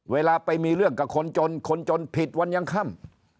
เวลาไปมีเรื่องกับคนจนคนจนผิดวันยังค่ำ